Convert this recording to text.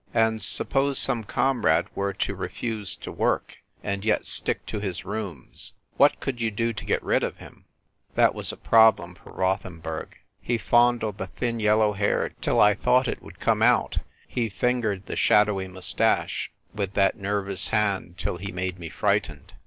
"And suppose some comrade were to re fuse to work, and yet stick to his rooms. What could you do to get rid of him ?" That was a problem for Rothenburg. He fondled the thin yellow hair till I thought it A MUTINOUS MUTINEER. Tl would come out ; he fingered the shadowy moustache with that nervous hand till he made me frightened.